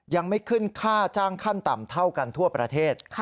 ยังไม่ขึ้นค่าจ้างขั้นต่ำเท่ากันทั่วประเทศ